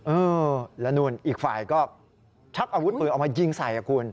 เออแล้วนู่นอีกฝ่ายก็ชักอาวุธปืนออกมายิงใส่อ่ะคุณ